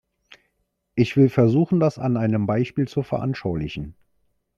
Ich will versuchen, das an einem Beispiel zu veranschaulichen.